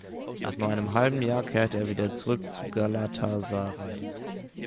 Nach nur einem halben Jahr kehrte er wieder zurück zu Galatasaray.